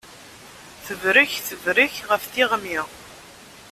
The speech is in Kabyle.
Tebrek tebrek ɣef tiɣmi.